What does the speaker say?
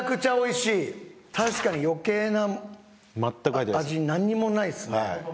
確かに余計な味なんにもないですね。